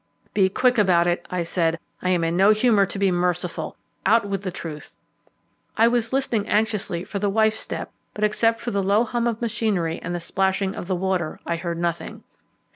"Be quick about it," I said; "I am in no humour to be merciful. Out with the truth." I was listening anxiously for the wife's step, but except for the low hum of machinery and the splashing of the water I heard nothing.